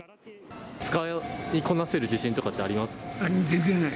使いこなせる自信とかってあ全然ない。